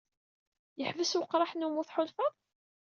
Yeḥbes weqraḥ-nni umi tḥulfaḍ?